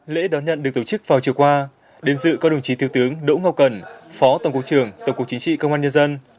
lễ đón nhận được tổ chức vào chiều qua đến dự có đồng chí thiếu tướng đỗ ngọc cần phó tổng cục trưởng tổng cục chính trị công an nhân dân